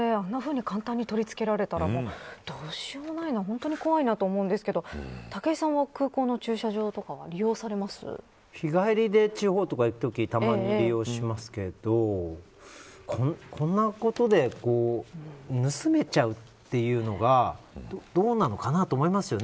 空港であんなふうに取り付けられたら本当に怖いと思うんですけど武井さんは空港の駐車場とかは日帰りで地方とか行くときにたまに利用しますけどこんなことで盗めちゃうというのがどうなのかなと思いますよね。